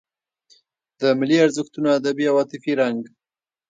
د ملي ارزښتونو ادبي او عاطفي رنګ.